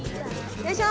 よいしょ！